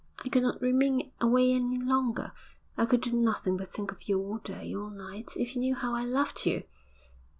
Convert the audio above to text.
I could not remain away any longer. I could do nothing but think of you all day, all night. If you knew how I loved you!